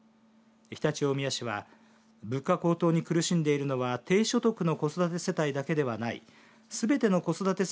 常陸大宮市は物価高騰に苦しんでいるのは低所得の子育て世帯だけではない。